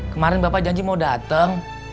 kemarin bapak janji mau datang